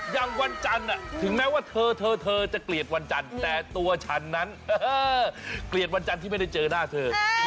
วันจันทร์ถึงแม้ว่าเธอเธอจะเกลียดวันจันทร์แต่ตัวฉันนั้นเกลียดวันจันทร์ที่ไม่ได้เจอหน้าเธอ